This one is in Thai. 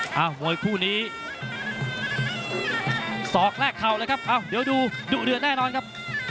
ค่ะมวยคู่นี้สอกแรกทาวน์เลยครับเอาเดี๋ยวดูดื่นแน่นอนครับ